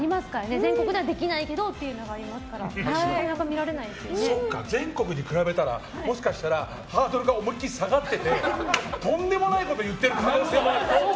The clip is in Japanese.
全国ではできないけどというのが全国に比べたらもしかしたらハードルが思いきり下がっててとんでもないこと言ってる可能性もあるよ。